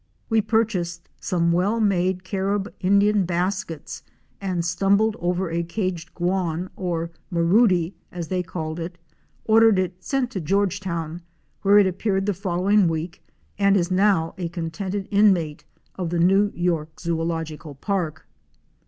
We pur chased some well made Carib Indian baskets and, stum bling over a caged Guan® or Maroodie as they called it, ordered it sent to Georgetown, where it appeared the fol lowing week and is now a contented inmate of the New York Zoological Park.